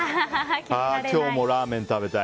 今日もラーメン食べたい。